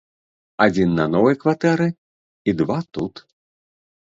Адзін на новай кватэры і два тут.